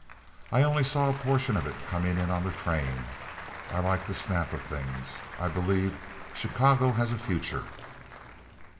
"I only saw a portion of it coming in on the train. I like the snap of things. I believe Chicago has a future."